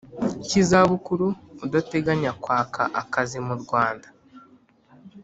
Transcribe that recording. Cy izabukuru udateganya kwaka akazi mu rwanda